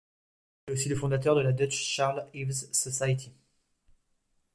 Il est aussi le fondateur de la Dutch Charles Ives Society.